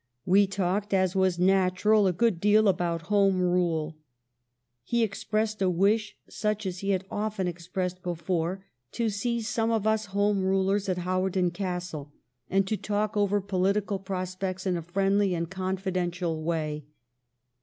We talked, as was natural, a good deal about Home Rule. He expressed a wish, such as he had often expressed before, to see some of us Home Rulers at Hawarden Castle and to talk 394 THE STORY OF GLADSTONE'S LIFE over political prospects in a friendly and confiden tial way.